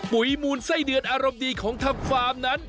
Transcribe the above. ปุ๋ยหมูนไส้เดือนอารมณ์ดีของทัพฟาร์มนั้น